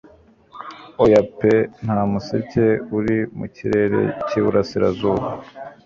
Oya pe nta museke uri mu kirere cy'iburasirazuba -